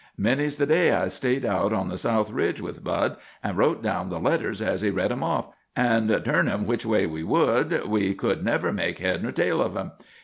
Many's the day I stayed out on the South Ridge with Bud, and wrote down the letters as he read 'em off, and, turn 'em which way we would, we could never make head or tail of 'em.